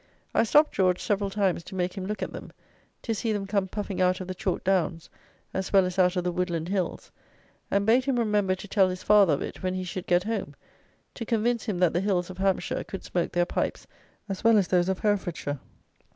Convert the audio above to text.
I stopped George several times to make him look at them; to see them come puffing out of the chalk downs as well as out of the woodland hills; and bade him remember to tell his father of it when he should get home, to convince him that the hills of Hampshire could smoke their pipes as well as those of Herefordshire.